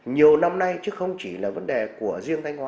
nhiều năm nay chứ không chỉ là vấn đề của riêng thanh hóa